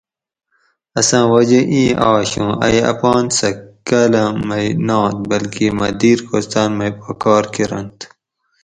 اساں وجہ اِیں آش اُوں ائی اپان سہ کالام مئی نات بلکہ مۤہ دیر کوہستان مئی پا کار کۤرنت